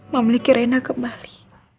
memiliki rena kembali